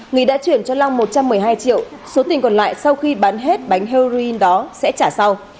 nghị đã chuyển cho long một trăm một mươi hai triệu số tiền còn lại sau khi bán hết bánh heroin đó sẽ trả sau